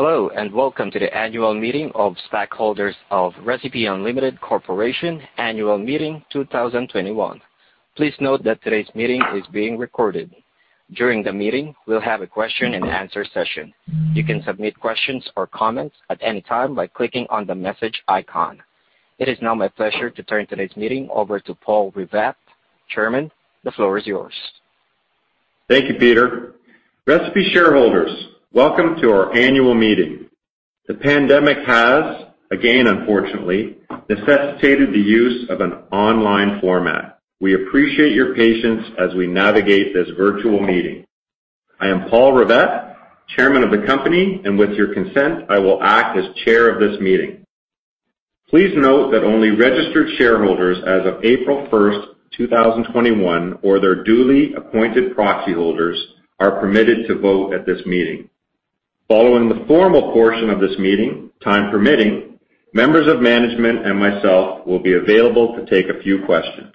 Hello, and welcome to the annual meeting of stockholders of Recipe Unlimited Corporation Annual Meeting 2021. Please note that today's meeting is being recorded. During the meeting, we'll have a question and answer session. You can submit questions or comments at any time by clicking on the message icon. It is now my pleasure to turn today's meeting over to Paul Rivett. Chairman, the floor is yours. Thank you, Peter. Recipe shareholders, welcome to our annual meeting. The pandemic has, again, unfortunately, necessitated the use of an online format. We appreciate your patience as we navigate this virtual meeting. I am Paul Rivett, Chairman of the company, and with your consent, I will act as chair of this meeting. Please note that only registered shareholders as of April 1st, 2021, or their duly appointed proxy holders are permitted to vote at this meeting. Following the formal portion of this meeting, time permitting, members of management and myself will be available to take a few questions.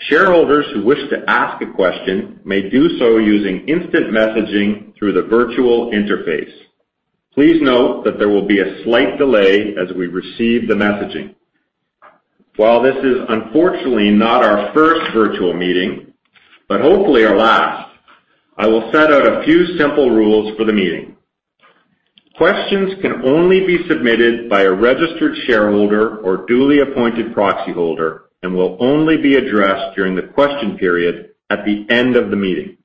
Shareholders who wish to ask a question may do so using instant messaging through the virtual interface. Please note that there will be a slight delay as we receive the messaging. While this is unfortunately not our first virtual meeting, but hopefully our last, I will set out a few simple rules for the meeting. Questions can only be submitted by a registered shareholder or duly appointed proxy holder and will only be addressed during the question period at the end of the meeting.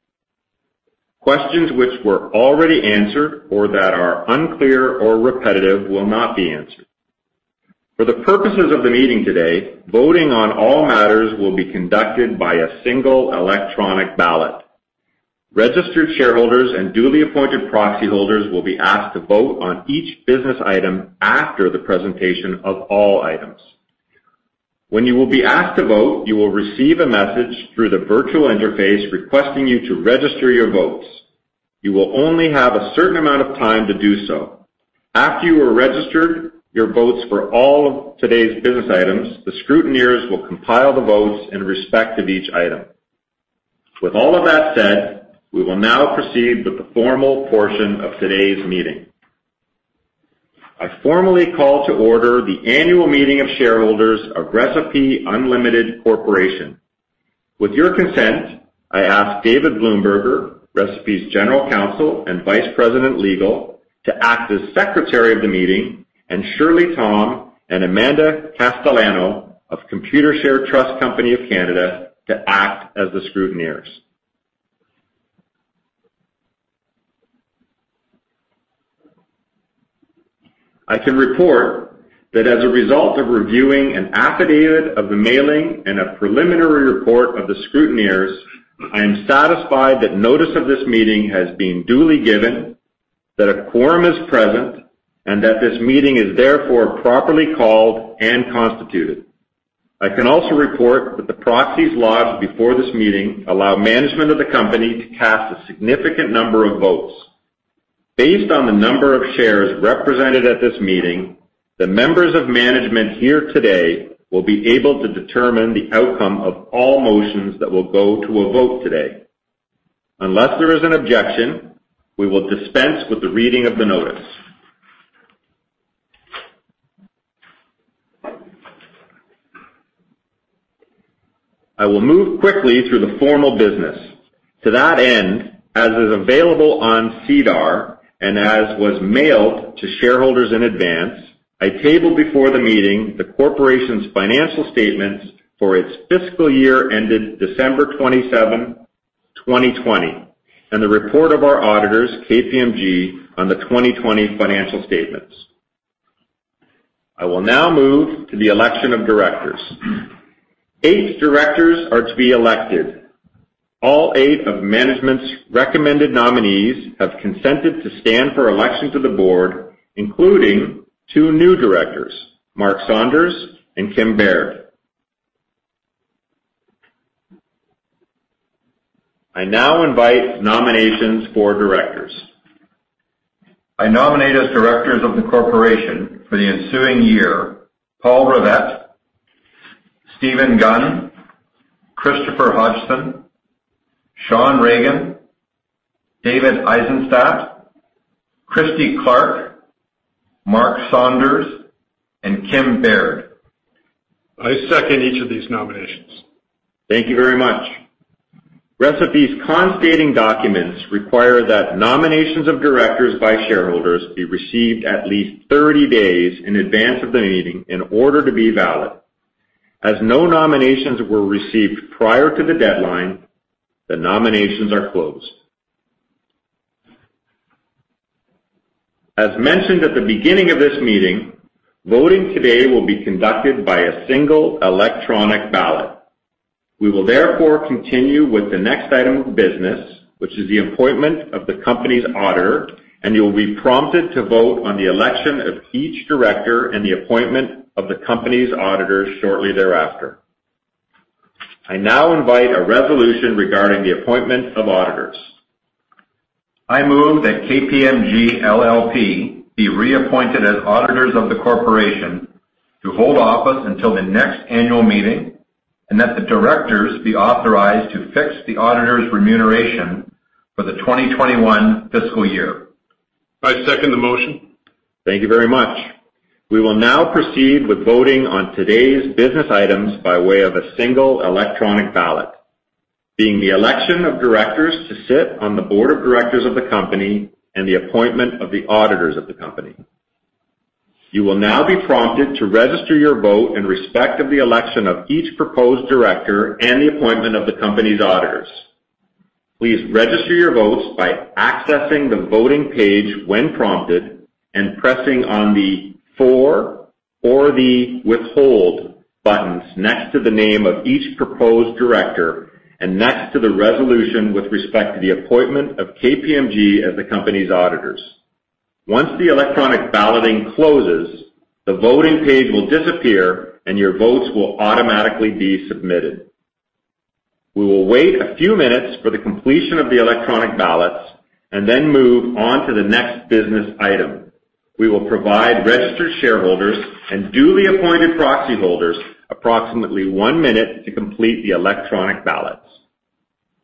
Questions which were already answered or that are unclear or repetitive will not be answered. For the purposes of the meeting today, voting on all matters will be conducted by a single electronic ballot. Registered shareholders and duly appointed proxy holders will be asked to vote on each business item after the presentation of all items. When you will be asked to vote, you will receive a message through the virtual interface requesting you to register your votes. You will only have a certain amount of time to do so. After you have registered your votes for all of today's business items, the scrutineers will compile the votes in respect of each item. With all of that said, we will now proceed with the formal portion of today's meeting. I formally call to order the annual meeting of shareholders of Recipe Unlimited Corporation. With your consent, I ask David Bloomberg, Recipe's General Counsel and Vice President, Legal, to act as Secretary of the meeting, and Shirley Tom and Amanda Castellano of Computershare Trust Company of Canada to act as the scrutineers. I can report that as a result of reviewing an affidavit of the mailing and a preliminary report of the scrutineers, I am satisfied that notice of this meeting has been duly given, that a quorum is present, and that this meeting is therefore properly called and constituted. I can also report that the proxies lodged before this meeting allow management of the company to cast a significant number of votes. Based on the number of shares represented at this meeting, the members of management here today will be able to determine the outcome of all motions that will go to a vote today. Unless there is an objection, we will dispense with the reading of the notice. I will move quickly through the formal business. To that end, as is available on SEDAR, and as was mailed to shareholders in advance, I table before the meeting the corporation's financial statements for its fiscal year ended December 27, 2020, and the report of our auditors, KPMG, on the 2020 financial statements. I will now move to the election of directors. Eight directors are to be elected. All eight of management's recommended nominees have consented to stand for election to the board, including two new directors, Mark Saunders and Kim Baird. I now invite nominations for directors. I nominate as directors of the corporation for the ensuing year, Paul Rivett, Stephen Gunn, Christopher Hodgson, Sean Regan, David Eisenstat, Christy Clark, Mark Saunders, and Kim Baird. I second each of these nominations. Thank you very much. Recipe's constating documents require that nominations of directors by shareholders be received at least 30 days in advance of the meeting in order to be valid. As no nominations were received prior to the deadline, the nominations are closed. As mentioned at the beginning of this meeting, voting today will be conducted by a single electronic ballot. We will therefore continue with the next item of business, which is the appointment of the company's auditor, and you will be prompted to vote on the election of each director and the appointment of the company's auditors shortly thereafter. I now invite a resolution regarding the appointment of auditors. I move that KPMG LLP be reappointed as auditors of the corporation to hold office until the next annual meeting. That the directors be authorized to fix the auditors' remuneration for the 2021 fiscal year. I second the motion. Thank you very much. We will now proceed with voting on today's business items by way of a single electronic ballot. Being the election of directors to sit on the board of directors of the company and the appointment of the auditors of the company. You will now be prompted to register your vote in respect of the election of each proposed director and the appointment of the company's auditors. Please register your votes by accessing the voting page when prompted and pressing on the "for" or the "withhold" buttons next to the name of each proposed director and next to the resolution with respect to the appointment of KPMG as the company's auditors. Once the electronic balloting closes, the voting page will disappear and your votes will automatically be submitted. We will wait a few minutes for the completion of the electronic ballots and then move on to the next business item. We will provide registered shareholders and duly appointed proxy holders approximately one minute to complete the electronic ballots.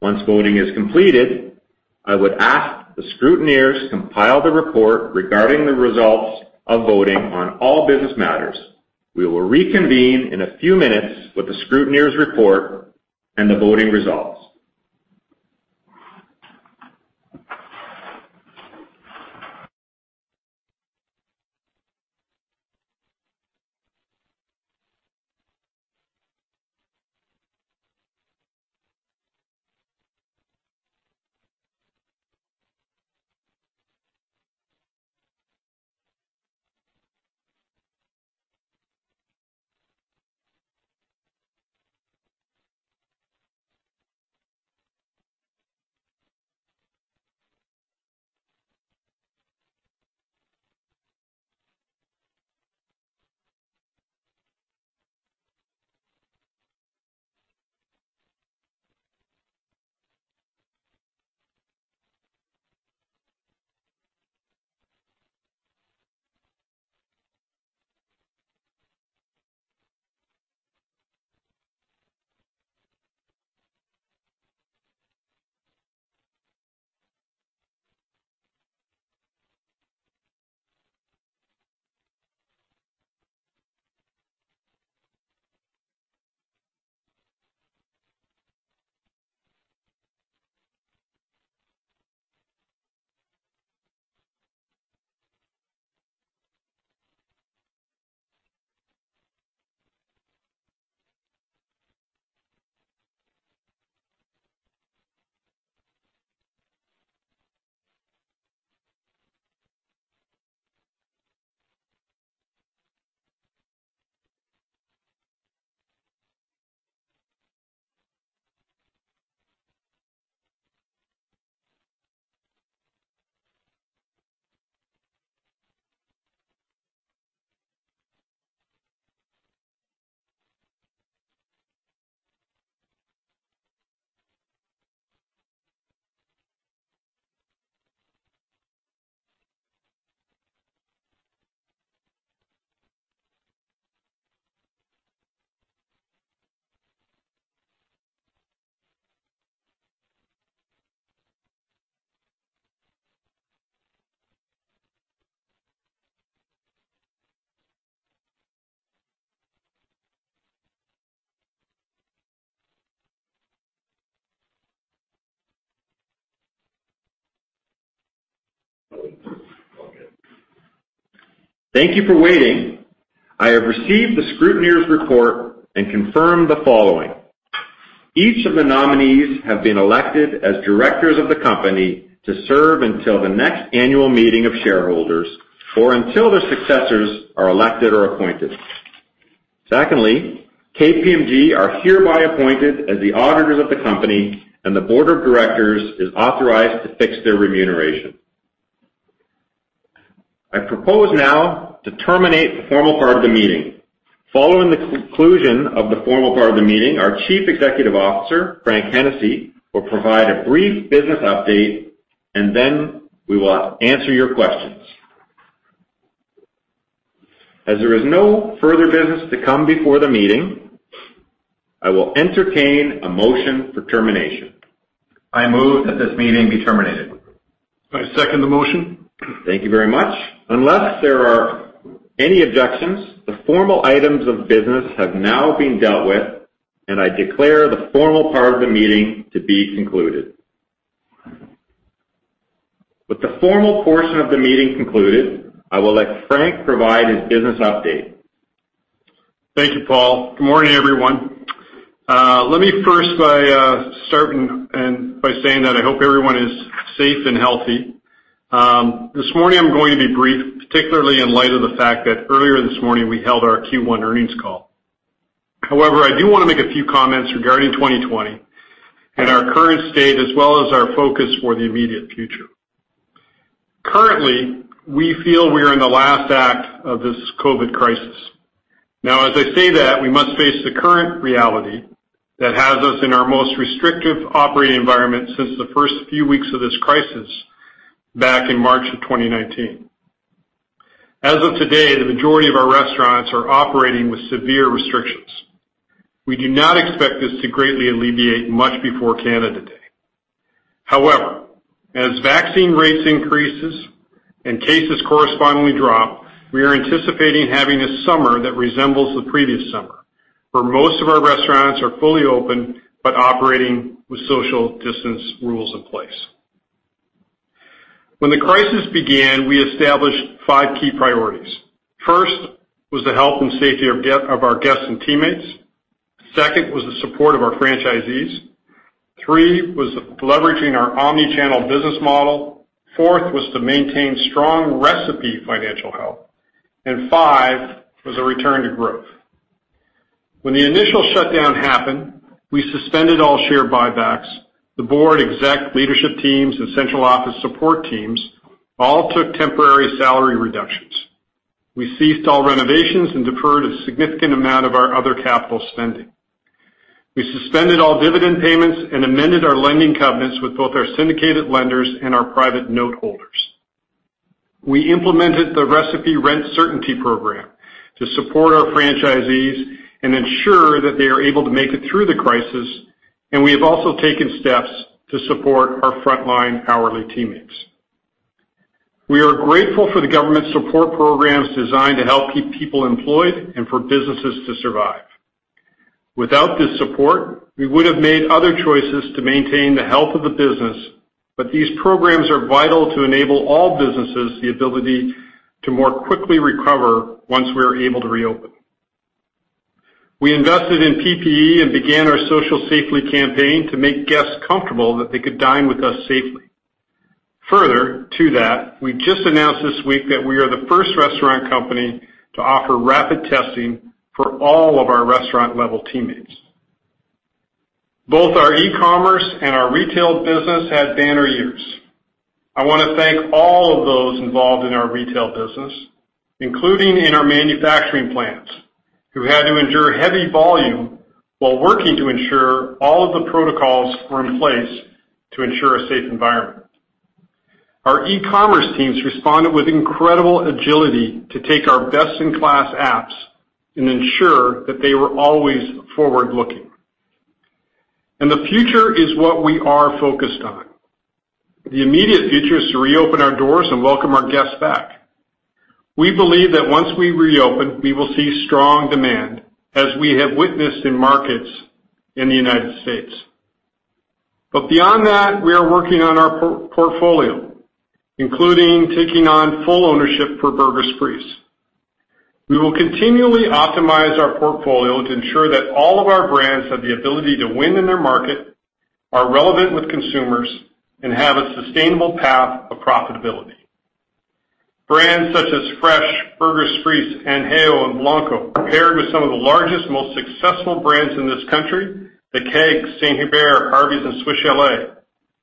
Once voting is completed, I would ask the scrutineers compile the report regarding the results of voting on all business matters. We will reconvene in a few minutes with the scrutineers' report and the voting results. Thank you for waiting. I have received the scrutineers' report and confirm the following. Each of the nominees have been elected as directors of the company to serve until the next annual meeting of shareholders or until their successors are elected or appointed. Secondly, KPMG are hereby appointed as the auditors of the company and the board of directors is authorized to fix their remuneration. I propose now to terminate the formal part of the meeting. Following the conclusion of the formal part of the meeting, our Chief Executive Officer, Frank Hennessey, will provide a brief business update, and then we will answer your questions. As there is no further business to come before the meeting, I will entertain a motion for termination. I move that this meeting be terminated. I second the motion. Thank you very much. Unless there are any objections, the formal items of business have now been dealt with, and I declare the formal part of the meeting to be concluded. With the formal portion of the meeting concluded, I will let Frank provide his business update. Thank you, Paul. Good morning, everyone. Let me first start by saying that I hope everyone is safe and healthy. This morning I'm going to be brief, particularly in light of the fact that earlier this morning we held our Q1 earnings call. I do want to make a few comments regarding 2020 and our current state, as well as our focus for the immediate future. Currently, we feel we are in the last act of this COVID crisis. As I say that, we must face the current reality that has us in our most restrictive operating environment since the first few weeks of this crisis back in March of 2020. As of today, the majority of our restaurants are operating with severe restrictions. We do not expect this to greatly alleviate much before Canada Day. However, as vaccine rates increases and cases correspondingly drop, we are anticipating having a summer that resembles the previous summer, where most of our restaurants are fully open, but operating with social distance rules in place. When the crisis began, we established five key priorities. First, was the health and safety of our guests and teammates. Second, was the support of our franchisees. Three, was leveraging our omni-channel business model. Fourth, was to maintain strong Recipe financial health. Five, was a return to growth. When the initial shutdown happened, we suspended all share buybacks, the board exec leadership teams and central office support teams all took temporary salary reductions. We ceased all renovations and deferred a significant amount of our other capital spending. We suspended all dividend payments and amended our lending covenants with both our syndicated lenders and our private note holders. We implemented the Recipe Rent Certainty Program to support our franchisees and ensure that they are able to make it through the crisis. We have also taken steps to support our frontline hourly teammates. We are grateful for the government support programs designed to help keep people employed and for businesses to survive. Without this support, we would have made other choices to maintain the health of the business. These programs are vital to enable all businesses the ability to more quickly recover once we are able to reopen. We invested in PPE and began our Social Safely campaign to make guests comfortable that they could dine with us safely. Further to that, we just announced this week that we are the first restaurant company to offer rapid testing for all of our restaurant level teammates. Both our e-commerce and our retail business had banner years. I want to thank all of those involved in our retail business, including in our manufacturing plants, who had to endure heavy volume while working to ensure all of the protocols were in place to ensure a safe environment. Our e-commerce teams responded with incredible agility to take our best-in-class apps and ensure that they were always forward-looking. The future is what we are focused on. The immediate future is to reopen our doors and welcome our guests back. We believe that once we reopen, we will see strong demand, as we have witnessed in markets in the U.S. Beyond that, we are working on our portfolio, including taking on full ownership for Burger's Priest. We will continually optimize our portfolio to ensure that all of our brands have the ability to win in their market, are relevant with consumers, and have a sustainable path of profitability. Brands such as Fresh, The Burger's Priest, and Añejo and Blanco, paired with some of the largest, most successful brands in this country, The Keg, St-Hubert, Harvey's, and Swiss Chalet,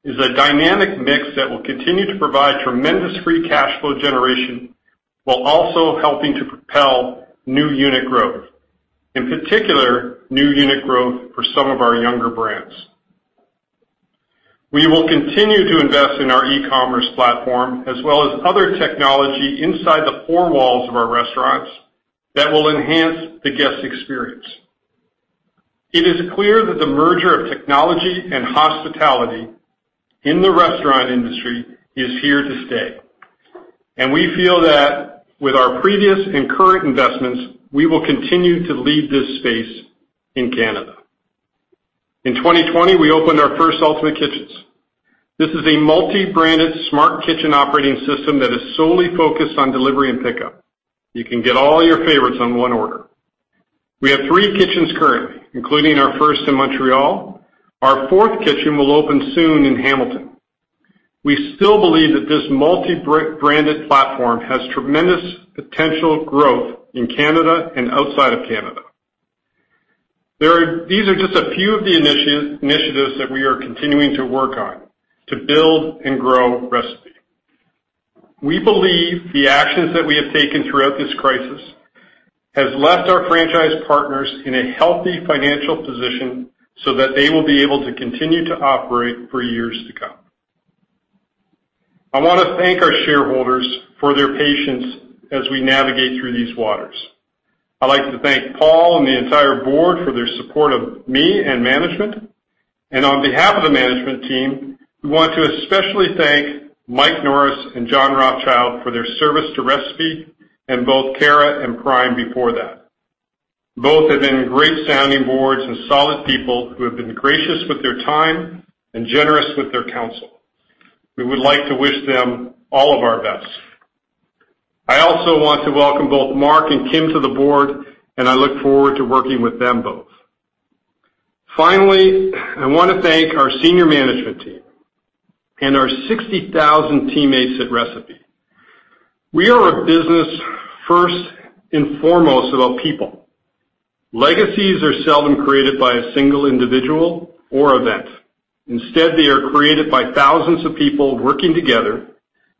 is a dynamic mix that will continue to provide tremendous free cash flow generation while also helping to propel new unit growth. In particular, new unit growth for some of our younger brands. We will continue to invest in our e-commerce platform as well as other technology inside the four walls of our restaurants that will enhance the guest experience. It is clear that the merger of technology and hospitality in the restaurant industry is here to stay. We feel that with our previous and current investments, we will continue to lead this space in Canada. In 2020, we opened our first Ultimate Kitchens. This is a multi-branded smart kitchen operating system that is solely focused on delivery and pickup. You can get all your favorites on one order. We have three kitchens currently, including our first in Montreal. Our fourth kitchen will open soon in Hamilton. We still believe that this multi-branded platform has tremendous potential growth in Canada and outside of Canada. These are just a few of the initiatives that we are continuing to work on to build and grow Recipe. We believe the actions that we have taken throughout this crisis has left our franchise partners in a healthy financial position so that they will be able to continue to operate for years to come. I want to thank our shareholders for their patience as we navigate through these waters. I'd like to thank Paul and the entire board for their support of me and management. On behalf of the management team, we want to especially thank Mike Norris and John Rothschild for their service to Recipe and both Cara and Prime before that. Both have been great sounding boards and solid people who have been gracious with their time and generous with their counsel. We would like to wish them all of our best. I also want to welcome both Mark and Kim to the board, and I look forward to working with them both. Finally, I want to thank our senior management team and our 60,000 teammates at Recipe. We are a business first and foremost about people. Legacies are seldom created by a single individual or event. Instead, they are created by thousands of people working together,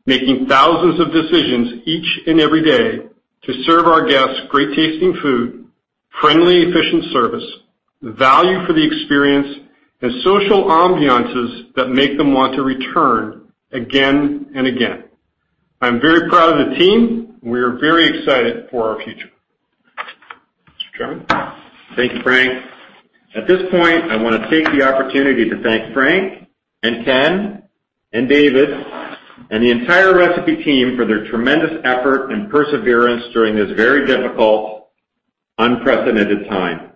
making thousands of decisions each and every day to serve our guests great tasting food, friendly, efficient service, value for the experience, and social ambiances that make them want to return again and again. I'm very proud of the team. We are very excited for our future. Mr. Chairman. Thank you, Frank. At this point, I want to take the opportunity to thank Frank and Ken and David and the entire Recipe team for their tremendous effort and perseverance during this very difficult, unprecedented time,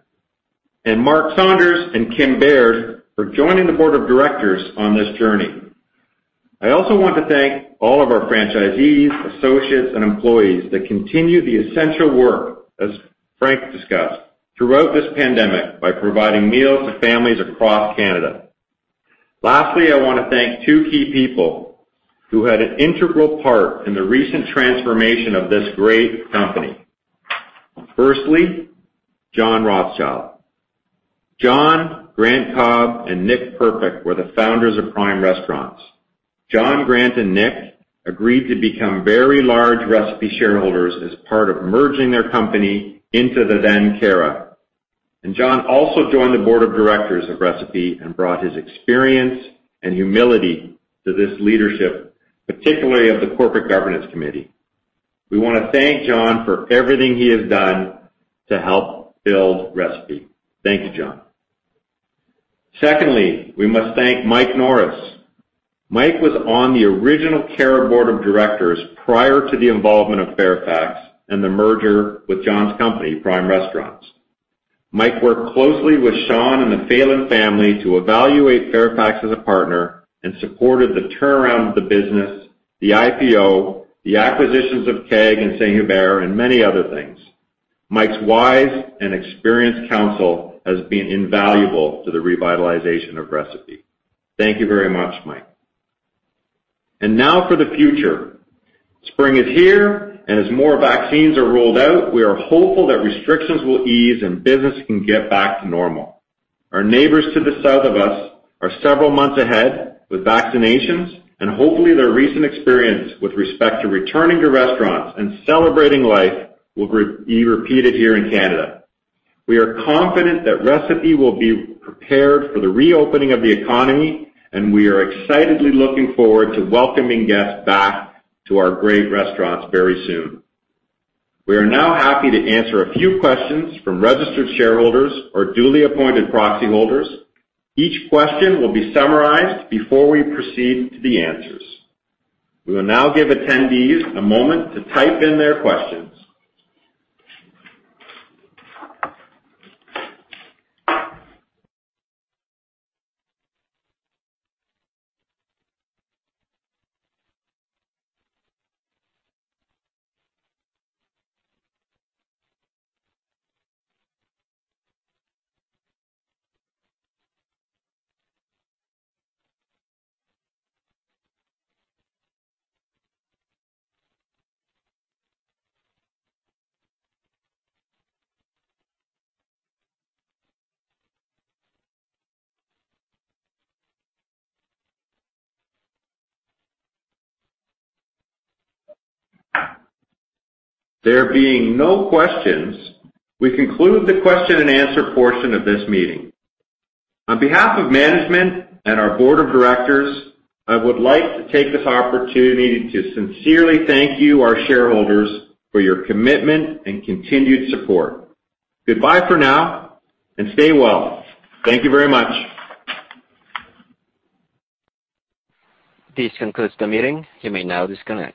and Mark Saunders and Kim Baird for joining the board of directors on this journey. I also want to thank all of our franchisees, associates, and employees that continue the essential work, as Frank discussed, throughout this pandemic by providing meals to families across Canada. Lastly, I want to thank two key people who had an integral part in the recent transformation of this great company. Firstly, John Rothschild. John, Grant Cobb, and Nick Perpick were the founders of Prime Restaurants. John, Grant, and Nick agreed to become very large Recipe shareholders as part of merging their company into the then Cara. John also joined the board of directors of Recipe and brought his experience and humility to this leadership, particularly of the Corporate Governance Committee. We want to thank John for everything he has done to help build Recipe. Thank you, John. Secondly, we must thank Mike Norris. Mike was on the original Cara board of directors prior to the involvement of Fairfax and the merger with John's company, Prime Restaurants. Mike worked closely with Sean and the Phelan family to evaluate Fairfax as a partner and supported the turnaround of the business, the IPO, the acquisitions of The Keg and St-Hubert, and many other things. Mike's wise and experienced counsel has been invaluable to the revitalization of Recipe. Thank you very much, Mike. Now for the future. Spring is here. As more vaccines are rolled out, we are hopeful that restrictions will ease and business can get back to normal. Our neighbors to the south of us are several months ahead with vaccinations. Hopefully their recent experience with respect to returning to restaurants and celebrating life will be repeated here in Canada. We are confident that Recipe will be prepared for the reopening of the economy. We are excitedly looking forward to welcoming guests back to our great restaurants very soon. We are now happy to answer a few questions from registered shareholders or duly appointed proxy holders. Each question will be summarized before we proceed to the answers. We will now give attendees a moment to type in their questions. There being no questions, we conclude the question and answer portion of this meeting. On behalf of management and our board of directors, I would like to take this opportunity to sincerely thank you, our shareholders, for your commitment and continued support. Goodbye for now, and stay well. Thank you very much. This concludes the meeting. You may now disconnect.